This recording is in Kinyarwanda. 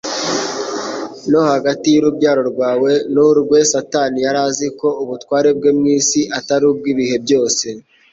no hagati y'urubyaro rwawe n'urwez", Satani yari azi ko ubutware bwe mu isi atari ubw'ibihe byose.